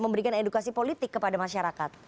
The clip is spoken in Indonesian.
memberikan edukasi politik kepada masyarakat